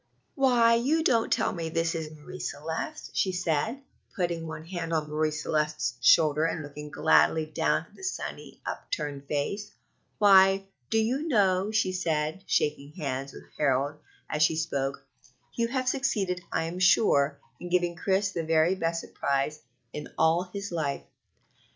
"Why, you don't tell me this is Marie Celeste?" she said, putting one hand on Marie Celeste's shoulder and looking gladly down at the sunny, upturned face. "Why, do you know," she said, shaking hands with Harold as she spoke, "you have succeeded, I am sure, in giving Chris the very best surprise in all his life."